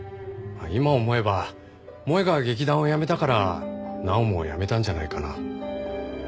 今思えば萌絵が劇団を辞めたから奈央も辞めたんじゃないかな。